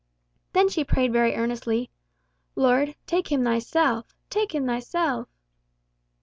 Then she prayed very earnestly, 'Lord, take him Thyself take him Thyself!